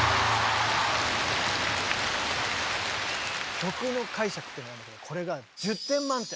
「曲の解釈」っていうのがあるんだけどこれが１０点満点。